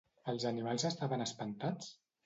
Els animals estaven espantats?